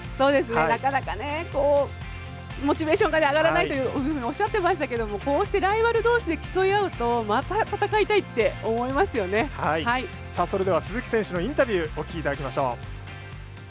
なかなかねモチベーションが上がらないというふうにおっしゃってましたけどもこうしてライバルどうしで競い合うとそれでは鈴木選手のインタビューお聞きいただきましょう。